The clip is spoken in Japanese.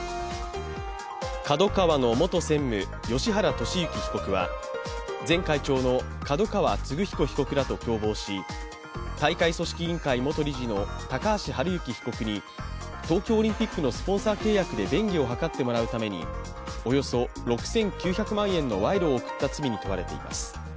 ＫＡＤＯＫＡＷＡの元専務、芳原世幸被告は前会長の角川歴彦被告らと共謀し大会組織委員会元理事の高橋治之被告に東京オリンピックのスポンサー契約で便宜を図ってもらうためにおよそ６９００万円の賄賂を贈った罪に問われています。